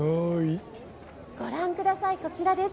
ご覧ください、こちらです。